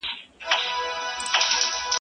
د لاس په گوتو کي لا هم فرق سته.